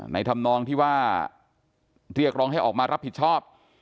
ทำนองที่ว่าเรียกร้องให้ออกมารับผิดชอบ